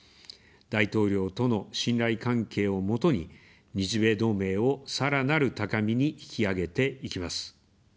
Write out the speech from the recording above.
大統領との信頼関係を基に、日米同盟をさらなる高みに引き上げていきます。